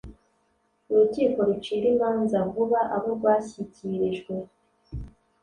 urukiko rucire imanza vuba abo rwashyikirijwe